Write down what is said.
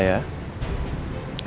ini kartu nama saya